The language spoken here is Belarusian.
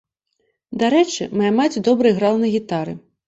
Дарэчы, мая маці добра іграла на гітары.